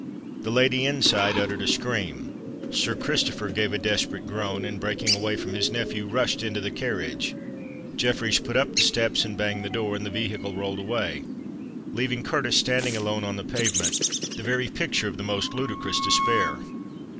The lady inside uttered a scream—Sir Christopher gave a desperate groan, and, breaking away from his nephew, rushed into the carriage—Jeffreys put up the steps and banged the door—and the vehicle rolled away, leaving Curtis standing alone on the pavement, the very picture of the most ludicrous despair.